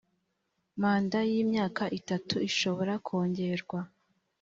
manda y imyaka itatu ishobora kongerwa